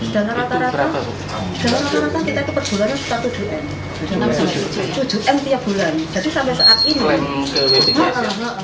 dan rata rata kita keperbulannya satu dn tujuh dn tiap bulan jadi sampai saat ini